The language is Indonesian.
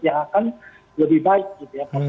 dan lebih baik gitu ya